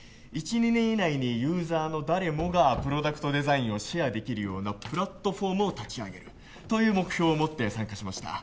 １２年以内にユーザーの誰もがプロダクトデザインをシェアできるようなプラットフォームを立ち上げるという目標を持って参加しました